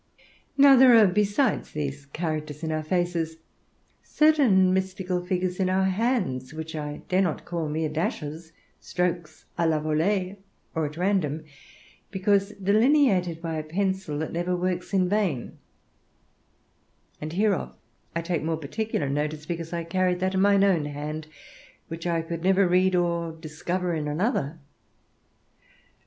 Now there are, besides these characters in our faces, certain mystical figures in our hands, which I dare not call mere dashes, strokes à la volée, or at random, because delineated by a pencil that never works in vain; and hereof I take more particular notice, because I carry that in mine own hand which I could never read of or discover in another.